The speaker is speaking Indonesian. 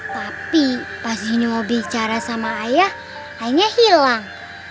tapi pas dini mau bicara sama ayah ayahnya hilang